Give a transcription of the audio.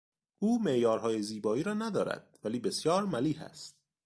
او معیارهای زیبایی را ندارد ولی بسیار ملیح است.